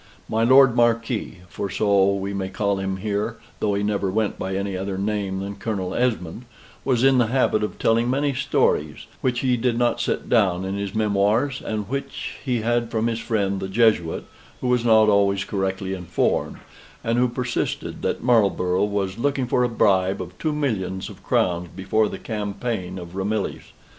My Lord Marquis (for so we may call him here, though he never went by any other name than Colonel Esmond) was in the habit of telling many stories which he did not set down in his memoirs, and which he had from his friend the Jesuit, who was not always correctly informed, and who persisted that Marlborough was looking for a bribe of two millions of crowns before the campaign of Ramillies.